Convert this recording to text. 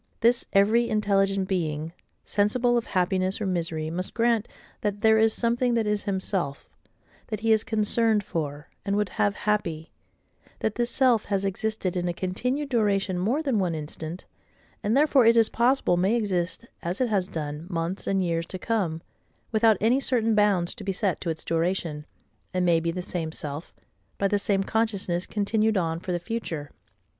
This every intelligent being, sensible of happiness or misery, must grant—that there is something that is HIMSELF, that he is concerned for, and would have happy; that this self has existed in a continued duration more than one instant, and therefore it is possible may exist, as it has done, months and years to come, without any certain bounds to be set to its duration; and may be the same self, by the same consciousness continued on for the future.